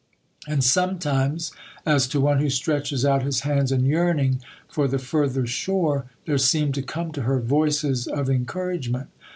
And sometimes, as to one who stretches out his hands in yearning for the further shore, there seemed to come to her voices of encouragement.